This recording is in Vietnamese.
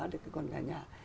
đến cái con gà nhà